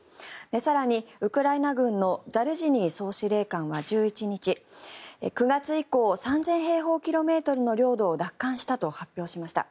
更に、ウクライナ軍のザルジニー総司令官は１１日９月以降３０００平方キロメートルの領土を奪還したと発表しました。